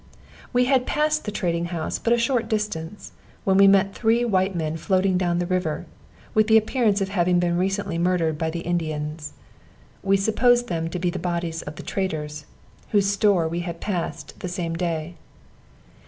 We had passed the trading house but a short distance, when we met three white men floating down the river, with the appearance of having been recently murdered by the Indians, we supposed them to be the bodies of the traders, whose store we had passed the same day.